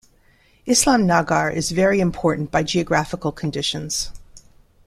Islamnagar is very important by geographical conditions.